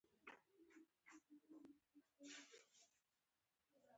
حیوانات ژوند لري.